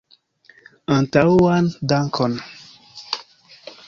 Antaŭan dankon!